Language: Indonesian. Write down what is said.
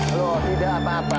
loh tidak apa apa